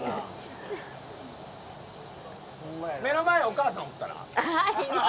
目の前、お母さんおったら？